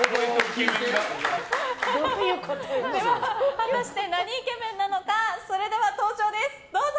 果たしてなにイケメンなのか登場です、どうぞ。